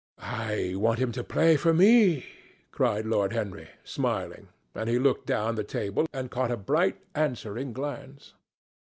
"I want him to play to me," cried Lord Henry, smiling, and he looked down the table and caught a bright answering glance.